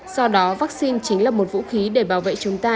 do đó vaccine chính là một vũ khí để bảo vệ chúng ta